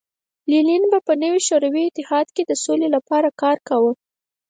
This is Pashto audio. لینین به په نوي شوروي اتحاد کې د سولې لپاره کار کاوه